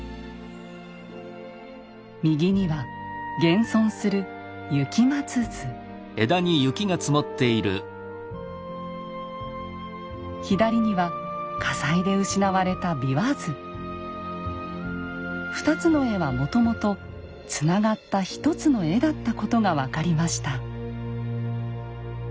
右には現存する左には火災で失われた２つの絵はもともとつながった一つの絵だったことが分かりました。